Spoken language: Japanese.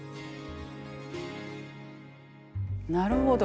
なるほど。